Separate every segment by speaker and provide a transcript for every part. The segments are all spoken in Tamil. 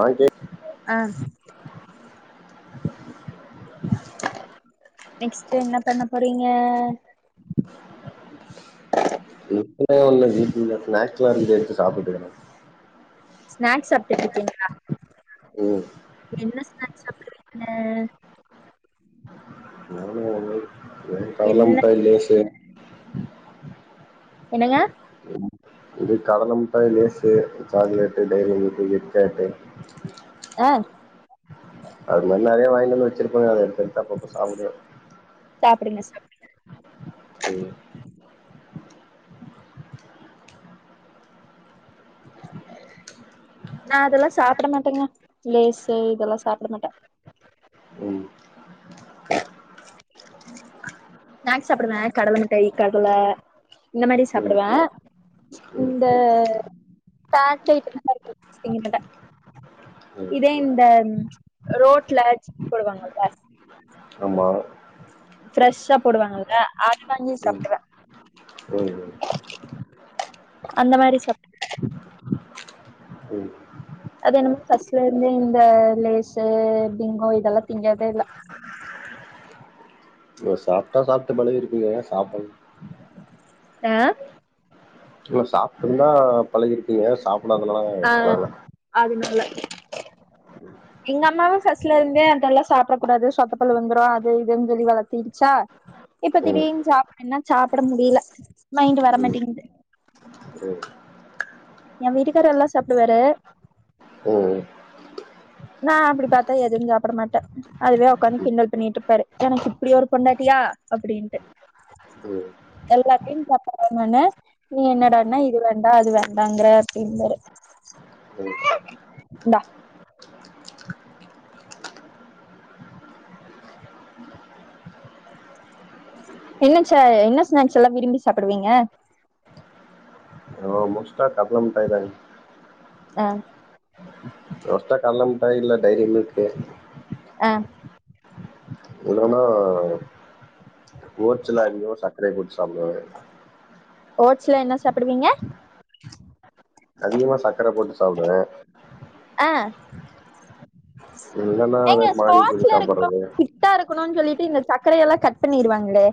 Speaker 1: ஆ கேக்
Speaker 2: ஆ நெக்ஸ்ட்டு என்ன பண்ண போறீங்க
Speaker 1: [unintelligible] ஒன்னஞ்சி ம் ந ஸ்நாக்ஸ்லா [unintelligible] எடுத்து [unintelligible]
Speaker 2: ஸ்நாக்ஸ் சப்ட்டுட்ருக்கீங்ளா
Speaker 1: ஓ
Speaker 2: சாப்புற்றீங்க
Speaker 1: [inaudible]
Speaker 2: என்ன
Speaker 1: [inaudible]
Speaker 2: என்னங்க
Speaker 1: ம் இது கடலமிட்டாய் லேசு சாக்லேட்டு டைரி மிக்கு கிட்கெட்டு
Speaker 2: அ
Speaker 1: அது மாரி நெறைய வாய்ன்ட்டு வந்து வச்சிருக்கோங்க அத எட்த் எட்த்து அப்பப்போ சாப்புடுவே
Speaker 2: சாப்புடுங்க சாப்புடுங்க
Speaker 1: ஒ
Speaker 2: நா அதெல்லா சாப்பிட மாட்டேங்க லேசு இதெல்லா சாப்பிட மாட்டே
Speaker 1: ம்
Speaker 2: ஆஹ நாக்ஸ் சாப்பிடுவே கடல மிட்டாயி கடல இந்த மாரி
Speaker 1: ம்
Speaker 2: சாப்பிடுவே
Speaker 1: ம்
Speaker 2: இந்த [inaudible] மாட்ட
Speaker 1: ம்
Speaker 2: இதே இந்த ம் ச்ச் ரோட்ல [inaudible] போடுவாங்கள
Speaker 1: ஆமா
Speaker 2: ஃப்ரெஷ்ஷா போடுவாங்கல்ல அது வாங்கி
Speaker 1: ம்
Speaker 2: சாப்டுவே
Speaker 1: ம்
Speaker 2: அந்த மாரி சாப் [inaudible]
Speaker 1: ம்
Speaker 2: அது என்ன [inaudible] ஃபஸ்ல இருந்தே இந்த லேசு பிங்கோ இதெல்லா திங்கதே இல்ல
Speaker 1: நீங்க சாப்ட்டா சாப்ட்டு பழகி இருப்பீங்க [inaudible]
Speaker 2: ஆ
Speaker 1: இல்ல சாப்ட்டுந்தா பழகி இருப்பீங்க சாப் டாதனால வரல
Speaker 2: அதுனால எங்க அம்மாவு பஸ்ட்ல இருந்தே அதெல்லா சாப்ட கூடாது சொத்த பள்ள வந்துரு அது இதுன் சொல்லி வளத்திருச்சா இப்ப
Speaker 1: ம்
Speaker 2: திடீன் சாப்பிடுனா சாப்பிட முடியில மைண்டு
Speaker 1: ம்
Speaker 2: வரமாட்டீங்க்து
Speaker 1: ம் ம்
Speaker 2: எ வீட்டுக்காரெல்லா சாப்டுவாரு நா அப்படி பாத்தா எதுவு சாப்பிட மாட்டே அதுத உக்காந்து கிண்டல் பண்ணிட்ருப்பாரு எனக்கு இப்டி ஒரு பொன்டாட்டியா அப்புடீன்டு
Speaker 1: ம் ம்
Speaker 2: எல்லாத்தையு சாப்புட்றே நானு நீ என்னடானா இது வேண்டா அது வேண்டாங்கற அப்படின்வாரு
Speaker 1: ம்
Speaker 2: இந்தா என்ன ச என்ன ஸ்நாக்ஸ் எல்லா விரும்பி சாப்படுவீங்க
Speaker 1: [unintelligible]
Speaker 2: அ
Speaker 1: அத்துட்டா கல்ல முட்டாயி இல்ல டைரி மிக்கு
Speaker 2: அ
Speaker 1: இல்லனா அ ஓட்சுல அதிகமா சக்ரய போட்டு சாப்டுவே
Speaker 2: ஓட்ஸ்ல என்ன சாப்பிடுவீங்க
Speaker 1: அதிகமா சக்கர போட்டு சாப்டுவே
Speaker 2: அ
Speaker 1: இல்லனா வே பானிபூரி சாப்பட்றது
Speaker 2: க்கணுன் சொல்லிட்டு இந்த சக்கரயெல்லா கட் பண்ணிடுவாங்ளே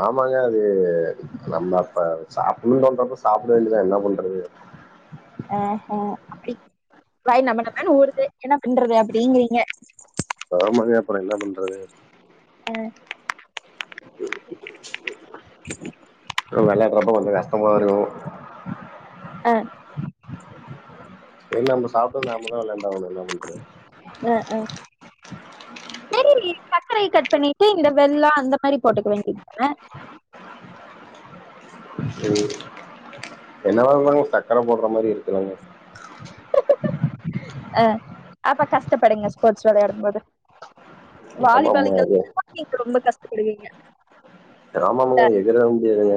Speaker 1: ஆமாங்க அது நம்ம அப்ப சாப்புனுன் தோன்றப்ப சாப்பிட வேண்டிதா என்னா பண்றது
Speaker 2: அ ஹ அப்பிடி வாய் நம்ம நம்மனு ஊருது என்ன பன்றது அப்பிடிங்கிறீங்க
Speaker 1: ஆமாங்க அப்பறோ என்னா பண்றது
Speaker 2: அ
Speaker 1: அ வெளையட்றப்போ கொஞ்சோ கஷ்டம் இருக்கூ
Speaker 2: அ
Speaker 1: ஏன் நம்ம சாப்பு நாமதா விளாண்டா ஆவணும் என்ன பண்றது
Speaker 2: அஹ். சரி சக்கரைய கட் பண்ணிட்டு இந்த வெள்ளோ அந்த மாரி போட்டுக்க வேண்டியது தானே
Speaker 1: ம் என்ன வாங்குவாங்க சக்கர போட்ற மாரி இருக்குலாங்க
Speaker 2: அ அப்ப கஷ்டப்படுங்க ஸ்போட்ஸ் விளையாடும் போது
Speaker 1: ஆமாம்
Speaker 2: வாலிபால்க்கெல்
Speaker 1: அது
Speaker 2: [unintelligible] ரொம்ப கஷ்டப்படுவீங்க
Speaker 1: அ ஆமா
Speaker 2: இல்ல,
Speaker 1: ஆமாங்க எகுற முடியாதுங்க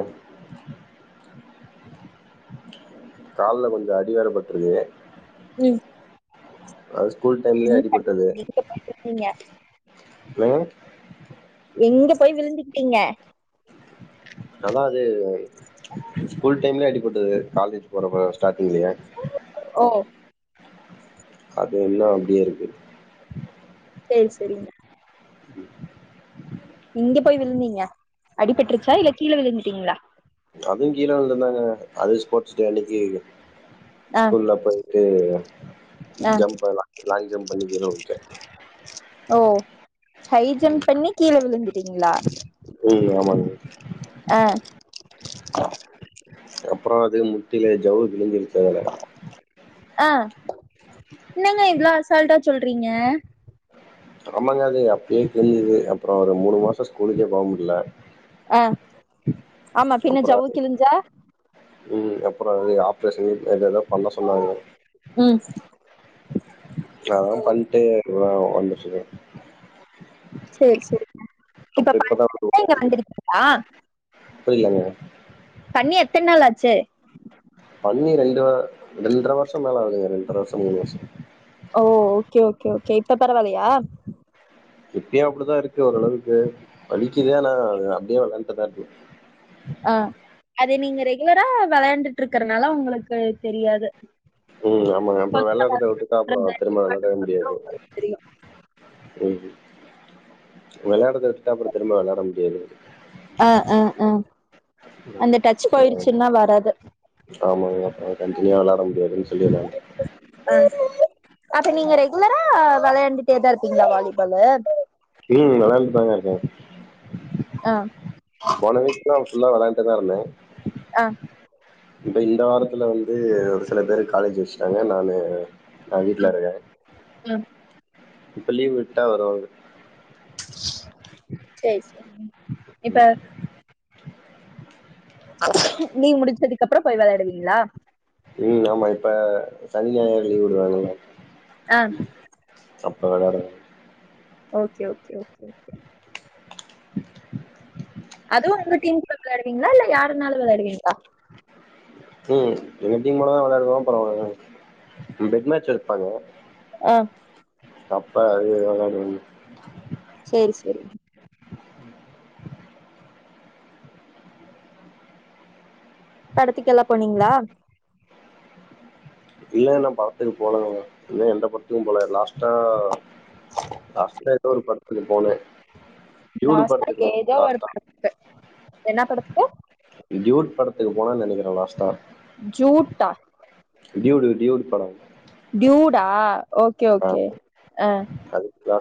Speaker 1: கால்ல கொஞ்சோ அடி வேற பட்ருக்கு
Speaker 2: ம்,
Speaker 1: ஆஸ் ஸ்கூல் டைம்லேயே
Speaker 2: என்ன பண்ணீங்க?
Speaker 1: அடிபட்டது
Speaker 2: எங்க போய் விழுந்தீங்க
Speaker 1: [unintelligible]
Speaker 2: எங்க போய் விழுந்துக்குட்டீங்க
Speaker 1: நல்லா அது ஸ்கூல் டைம்லே அடி போட்டது காலேஜ் போறப்ப ஸ்டாட்டிங்லேயே
Speaker 2: ஓ
Speaker 1: அது இன்னோ அப்டியே இருக்கு
Speaker 2: சேரி சேரிங்க இங்க போய் விழுந்தீங்க அடிபட்ருச்சா இல்ல கீழே விழுந்துட்டீங்களா
Speaker 1: அதுவு கீழ விழுந்தது தாங்க அது ஸ்போட் ஸ் டே அன்னைக்கி
Speaker 2: ஆ
Speaker 1: ஸ்கூல்ல போயிட்டு
Speaker 2: ஆ
Speaker 1: ஜம்ப்பேல் லா லாங் ஜம்ப் பண்ணி கிழ உழுந்துடே
Speaker 2: ஓ ஹை ஜம்ப் பண்ணி கீழ விழுந்துட்டீங்களா
Speaker 1: ம் ஆமாங்க
Speaker 2: ஆ
Speaker 1: அப்புறோ அது முட்டீல ஜவ்வு கிலிஞ்சிருச்சு
Speaker 2: ஆ என்னங்க இவ்வளோ அசால்டா சொல்றீங்க
Speaker 1: ஆமாங்க அது அப்பயே கிழிஞ்சுது அப்புறோ ஒரு மூணு மாசோ ஸ்கூலுக்கே போ முடில
Speaker 2: ஆ ஆமா பின்ன
Speaker 1: அப்றோ
Speaker 2: ஜவ்வு கிழிஞ்சா
Speaker 1: ம் அப்புறோ அது ஆப்ரேஷன் அதெல்லா பண்ண சொன்னாங்க
Speaker 2: ம்
Speaker 1: அதுலா பண்ட்டு இப்ப நா ஒக்காந்துட்ருக்கே
Speaker 2: சேர் சேரிங்க இப்ப
Speaker 1: இப்பதா
Speaker 2: [unintelligible] ஆ
Speaker 1: புரிலங்க
Speaker 2: பண்ணி எத்தன் நாள் ஆச்சு
Speaker 1: பண்ணி ரெண்டு அ ரெண்டரை வர்ஷோ மேல ஆவுதுங்க ரெண்டரை வர்ஷோ மூணு வர்ஷோ
Speaker 2: ஓ ஓகே ஓகே ஓகே இப்ப பரவலயா
Speaker 1: இப்பயோ அப்புடிதா இருக்கு ஓரளவுக்கு வலி [unintelligible] அது அப்டியே வளந் [unintelligible]
Speaker 2: ஆ அது நீங்க ரெகுலரா வெளையாண்டுட்டு இருக்குறனால உங்களுக்கு தெரியாது
Speaker 1: ம் ஆமாங்க அப்ப
Speaker 2: கொஞ்ச
Speaker 1: வெளாடறத விட்டுட்டா அப்பறோ திரும்ப வெளாடவே முடியாது
Speaker 2: உங்களுக்கு தெரியு
Speaker 1: ம் வெளையாடறத விட்டுட்டா அப்புற திரும்ப வெளையாட முடியாது
Speaker 2: அ அ அ அந்த டச்
Speaker 1: ஆ
Speaker 2: போயிருச்சுன்னா வராது
Speaker 1: ஆமாங்க நா கண்டினியுவா வெளாட முடியாதுன்னு சொல்லி நா
Speaker 2: ஆ அப்ப நீங்க ரெகுலரா வெளையாண்டுட்டேதா இருப்பிங்ளா வாலிபாலு
Speaker 1: ம் வெளையாண்டுட்தாங்க இருக்கே
Speaker 2: அ
Speaker 1: போன வீக் நா ஃபுல்லா வெளையாண்ட்டே தா இருந்த
Speaker 2: அ
Speaker 1: இப்ப இந்த வாரத்துல வந்து ஒரு சில பேருக்கு காலேஜ் வெச்சுட்டாங்க நானு நா வீட்ல இருக்கே
Speaker 2: அ
Speaker 1: இப்ப லீவ் விட்டா வருவாங்க
Speaker 2: சேர் சேரிங்க இப்ப நீங் முடிச்சதுக்கப்புற போய் வெளையாடுவிங்ளா
Speaker 1: ம் ஆமா இப்ப சனி ஞாயர் லீ்வ் உடறாங்கல்ல
Speaker 2: அ
Speaker 1: அப்ப வெளாடுவ
Speaker 2: ஓகே ஓகே ஓகே ஓகே அதுவு உங்க டீமுக்குதா வெளையாடுவிங்ளா இல்ல யாரு வேனாலு வெளையாடுவிங்ளா
Speaker 1: ம் எங்க டீம் மட்டுந்தா வெளையாடுவோ அப்ற அவனுக பெட் மேட்ச் வெப்பாங்க
Speaker 2: அ
Speaker 1: அப்ப அது வெளாடுவங்க
Speaker 2: செரி செரி படத்துக்கெல்லா போனிங்ளா
Speaker 1: இல்ல இன்னு படத்துக்கு போகலங்க இன்னு எந்த படத்துக்கு போல லாஸ்ட் அ லாஸ்ட்டா எதோ ஒரு படத் துக்கு போனே டியூடு
Speaker 2: லாஸ்ட்டா
Speaker 1: படத்துக்கு போனே
Speaker 2: ஏதோ ஒரு
Speaker 1: லாஸ்ட்டா
Speaker 2: படத்துக்கு என்ன படத்துக்கு
Speaker 1: டியூட் படத்துக்கு போனன் நெனைக்கற லாஸ்ட்டா
Speaker 2: ஜூட்டா
Speaker 1: டியூடு டியூடு பட
Speaker 2: டியூடா ஓகே ஓகே அ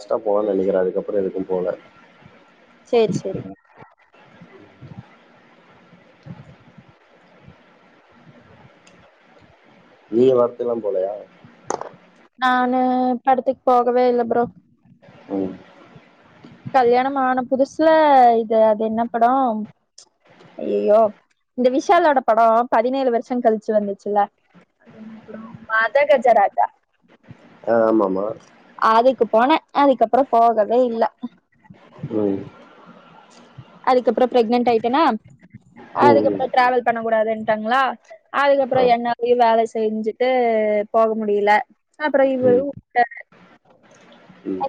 Speaker 1: ஆ போன நெனைக்கறே அதுக்கப்புற எதுக்கு போல
Speaker 2: சேரி செரிங்க
Speaker 1: நீங்க ஒர்க்கு எல்லா போல
Speaker 2: நானு படத்துக்கு போகவே இல்ல ப்ரோ
Speaker 1: உம்
Speaker 2: கல்யாண ஆன புதுசுல இது அது என்ன படம் ஐயய்யோ இந்த விஷாலோட படம் பதினேழு வருஷம் கழிச்சு வந்துச்சுலப்புறம் மத கஜராஜா
Speaker 1: ஆ ஆம ஆமா
Speaker 2: ஆதுக்கு போனே அதுக்கப்புறம் போகவே இல்ல
Speaker 1: உம்
Speaker 2: அதுக்கப்புறம் ப்ரெக்னன்ட் ஆயிட்டேனா
Speaker 1: ம் ம்
Speaker 2: அதுக்கப்புறம் டிராாவல் பண்ண கூடாது டங்களா
Speaker 1: ஆ
Speaker 2: அதுக்கப்புறம் என்னாலயையு வேல செஞ்சுட்டு போக முடியல அப்புறம் இது
Speaker 1: ம்
Speaker 2: [inaudible]
Speaker 1: ம்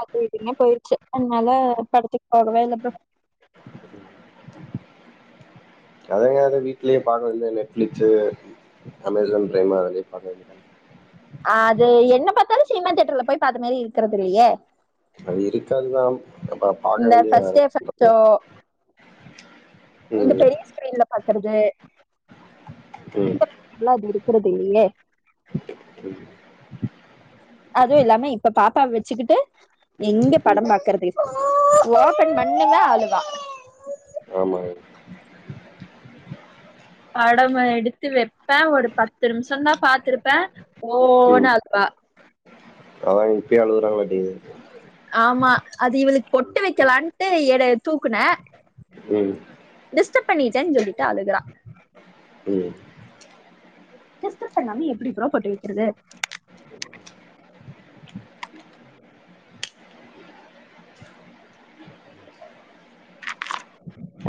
Speaker 2: அது இதுனு போயிருச்சு அதனால படத்துக்கு போகவே இல்ல ப்ரோ
Speaker 1: அதாது வீட்டுலயே பா்க வேண்டிய நெட் ஃபிளாஷ்சு அமேசான் ப்ரைம் அதலையு பாக்க வேண்டியதான
Speaker 2: அது என்ன பாத்தாலு சினிமா தேயட்டர்ல போய் பார்த்த மாதாரி இருக்கிறது இல்லையே
Speaker 1: அது இருக்காதுதா
Speaker 2: இந்த ஃபர்ஸ்ட் டே ஃபர்ஸ்ட் ஷோ இந்த
Speaker 1: ம்
Speaker 2: பெரிய ஸ்க்ரீன்ல பாக்குறது
Speaker 1: ம்
Speaker 2: அது எல்லா இருக்கிறது இல்லையே அதுவு இல்லாமே இப்ப பாப்பாவ வச்சுக்கிட்டு எங்க படம் பாக்குறது ஓபன் பண்ணுங்க அளுவா
Speaker 1: ஆமாங்க
Speaker 2: படம் எடுத்து வைப்பே ஒரு பத்து நிமிஷம் தா பா்த்திருப்பே ஓ நு அலுவா
Speaker 1: இப்பயு அலுவுறங்காடே
Speaker 2: ஆமா அது இவளுக்கு பொட்டு வைக்கலாம்ட்டு தூக்குன
Speaker 1: ம்
Speaker 2: டிஸ்டர்ப் பண்ணிட்டேன்னு சொல்லிட்டு அழுகுறா
Speaker 1: ம்
Speaker 2: டிஸ்டர்ப் பண்ணாம எப்படி ப்ரோ பொட்டு வைக்கிறது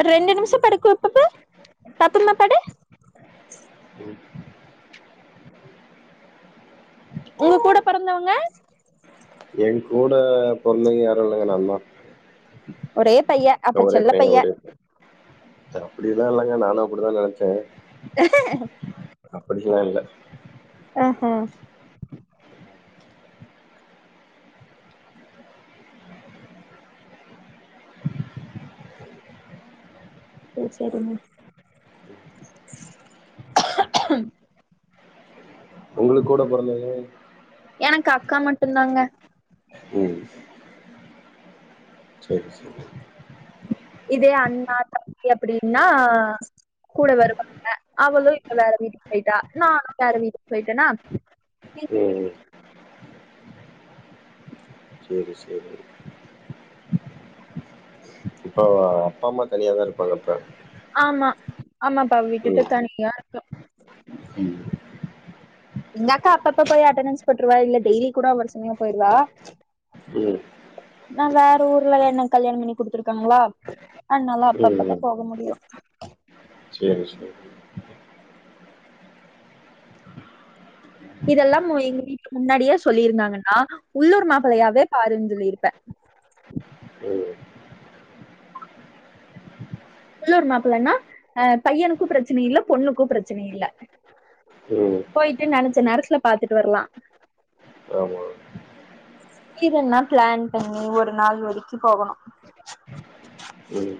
Speaker 2: ரெண்டு நிமிஷம் படுக்க வைப்பப் பாபம்மா படு உங்க கூட பிறந்தவங்க
Speaker 1: என் கூட பொறந்தவங்க யாரு இல்ங்க நா தா
Speaker 2: ஓர்ரே பைய அப்ப செல்ல பைய
Speaker 1: அப்படி எல்லா இல்லங்க நானு அப்படிதா நினைச்சே
Speaker 2: ஹ
Speaker 1: அப்படில்லா இல்ல
Speaker 2: ஆ அ ச சரிங்க
Speaker 1: உங்களுக் கூட பொறந்தவங்க
Speaker 2: எனக்கு அக்கா மட்டு தாங்க
Speaker 1: சரி சரி
Speaker 2: இதே அண்ணா தம்பி அப்படின்னா கூட வருவாங்க அவளு இங்க வேற வீட்டுக்கு போயிட்டா நானு வேற வீட்டுக்கு போயிட்டேனா
Speaker 1: ம் சரி சரி இப்ப அப்பா அம்மா தனியாதா இருப்பாங்க அப்ப
Speaker 2: ஆமா ஆமாப்பா விட்டு தனியா ஆஹ
Speaker 1: ம்
Speaker 2: எங்காக்கா அப்ப அப்பா போய் அட்டண்டன்ஸ் பொட்டுரூவா இல்ல டெய்லி கூட ஒரு சமையா போயிருவா
Speaker 1: ம்
Speaker 2: நா வேற ஊர்ல என்ன கல்யாண பண்ணி குடுத்துருக்காங்களா அதனால
Speaker 1: ம்
Speaker 2: அப்பப்ப தா போக முடியு
Speaker 1: செரி செரி
Speaker 2: இதெல்லாமு எங்க வீட் முன்னாடியே சொல்லியிருந்தாங்கன்னா உள்ளூர் மாப்பிளையாவே பாருன்ன சொல்லியிருப்பே
Speaker 1: ம்
Speaker 2: உள்ளூர் மாப்பிள்ளன்னா அ பையனுக்கும் பிரச்சனை இல்ல பொண்ணுக்கும் பிரச்சனை இல்ல
Speaker 1: ம்
Speaker 2: போயிட்டு நெனைச்ச நேரத்துல பாாரத்துட்டு வர்லா
Speaker 1: ஆமா
Speaker 2: இதன்னா பிளான் பண்ணி ஒரு நாள் வரைக்கூ போகணு
Speaker 1: ம்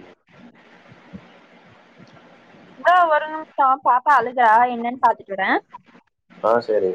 Speaker 2: மா ஒரு நிமிஷம் பாப்பா அழுகா என்னன்னு பாத்துட்டுறே
Speaker 1: ஆ செரி